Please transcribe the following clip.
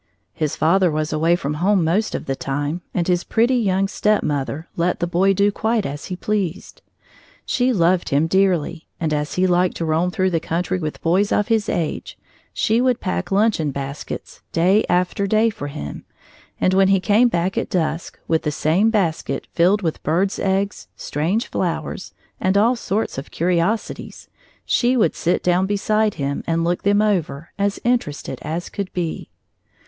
His father was away from home most of the time, and his pretty, young stepmother let the boy do quite as he pleased. She loved him dearly, and as he liked to roam through the country with boys of his age, she would pack luncheon baskets day after day for him, and when he came back at dusk, with the same baskets filled with birds' eggs, strange flowers, and all sorts of curiosities, she would sit down beside him and look them over, as interested as could be.